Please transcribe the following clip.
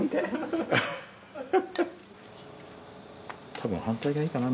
たぶん反対がいいかな？